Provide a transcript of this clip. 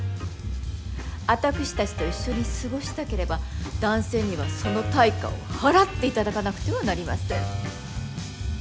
私たちと一緒に過ごしたければ男性にはその対価を払って頂かなくてはなりません。